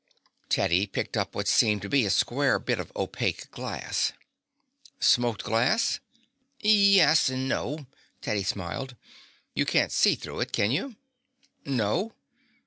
Teddy picked up what seemed to be a square bit of opaque glass. "Smoked glass?" "Yes, and no." Teddy smiled. "You can't see through it, can you?" "No."